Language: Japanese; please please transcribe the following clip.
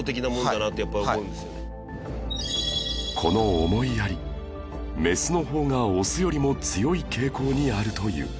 この思いやりメスの方がオスよりも強い傾向にあるという